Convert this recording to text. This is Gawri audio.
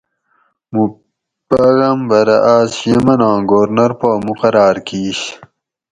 موں پاغمبرہ آس یمن آں گورنر پا مقرار کِیش